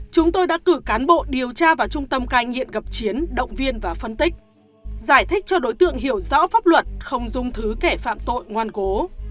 chúng tôi đã cử cán bộ điều tra vào trung tâm cai nghiện gặp chiến động viên và phân tích giải thích cho đối tượng hiểu rõ pháp luật không dung thứ kẻ phạm tội ngoan cố